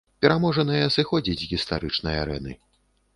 Пераможаныя сыходзяць з гістарычнай арэны.